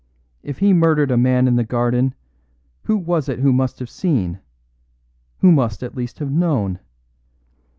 If he murdered a man in the garden, who was it who must have seen who must at least have known?